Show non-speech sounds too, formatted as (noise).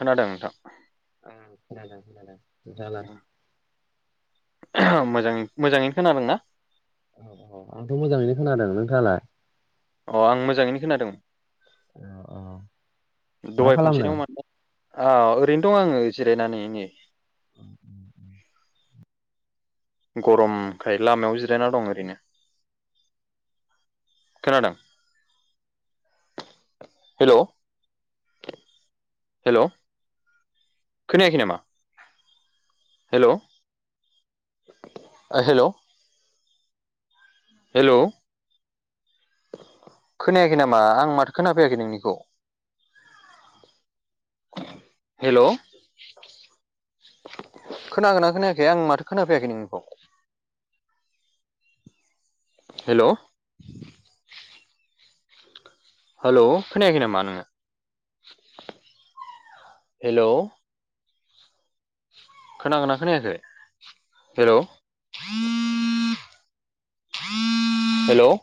खोनादों नोंथां? ओं खोनादों खोनादों नोंथाङालाय? मोजाङै मोजाङैनो खोनादों ना? औ औ आंथ' मोजाङैनो खोनादों नोंथाङालाय अ आं मोजाङैनो खोनादों औ औ मा दहाय खनसे खालामदों? (unintelligible) औ ओरैनो दं आङो जिरायनानै नै उ (unintelligible) गरमखाय लामायाव जिरायना दं ओरैनो खोनादों हेल' हेल' खोनायाखै नामा हेल' हेल' हेल' खोनायाखै नामा आं माथो खोनाफैयाखै नोंनिखौ हेल' खोनादोंना खोनायाखै आं माथो खोनाफैयाखै नोंनिखौ हेल' हेल' खोनायाखै नामा नोङो हेलौ खोनागोना खोनायाखै हेल' हेलौ